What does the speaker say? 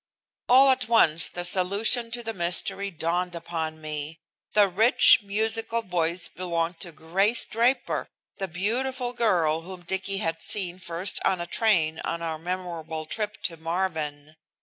All at once the solution to the mystery dawned upon me. The rich, musical voice belonged to Grace Draper, the beautiful girl whom Dicky had seen first on a train on our memorable trip to Marvin.